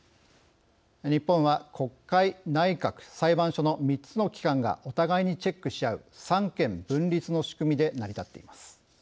日本は、国会、内閣、裁判所の３つの機関がお互いにチェックし合う三権分立の仕組みで成り立っています。